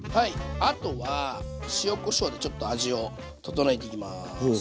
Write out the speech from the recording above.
あとは塩・こしょうでちょっと味を調えていきます。